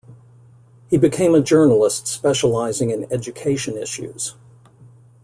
He became a journalist specializing in education issues.